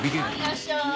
いらっしゃい。